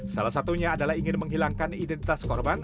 salah satunya adalah ingin menghilangkan identitas korban